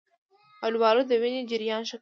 آلوبالو د وینې جریان ښه کوي.